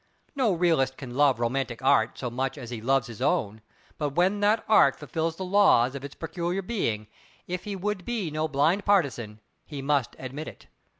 No realist can love romantic Art so much as he loves his own, but when that Art fulfils the laws of its peculiar being, if he would be no blind partisan, he must admit it.